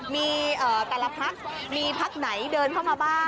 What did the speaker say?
มีแต่ละพักมีพักไหนเดินเข้ามาบ้าง